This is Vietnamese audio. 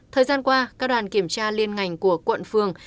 thời gian qua các đoàn kiểm tra liên ngành của quận phường